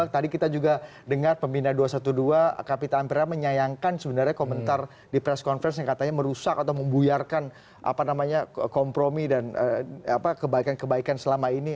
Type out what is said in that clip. tadi kita juga dengar pembina dua ratus dua belas kapita ampera menyayangkan sebenarnya komentar di press conference yang katanya merusak atau membuyarkan kompromi dan kebaikan kebaikan selama ini